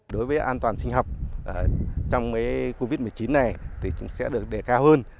đối với an toàn sinh học trong covid một mươi chín này thì chúng sẽ được đề cao hơn